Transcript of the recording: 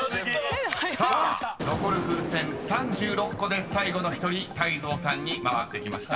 ［さあ残る風船３６個で最後の１人泰造さんに回ってきました］